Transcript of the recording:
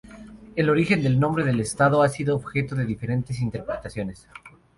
El origen del nombre del estado ha sido objeto de diferentes interpretaciones.